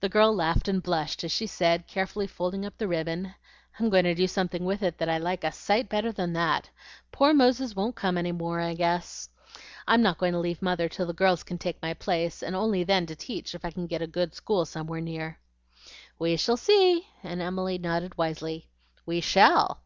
The girl laughed and blushed as she said, carefully folding up the ribbon, "I'm going to do something with it that I like a sight better than that. Poor Moses won't come any more, I guess. I'm not going to leave Mother till the girls can take my place, and only then to teach, if I can get a good school somewhere near." "We shall see!" and Emily nodded wisely. "We shall!"